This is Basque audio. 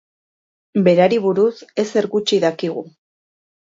Berari buruz ezer gutxi dakigu.